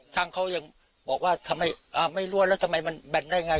ช่างเขายังบอกว่าไม่ลั่วแล้วทำไมมันแบนได้อย่างไร